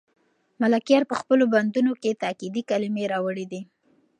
ملکیار په خپلو بندونو کې تاکېدي کلمې راوړي دي.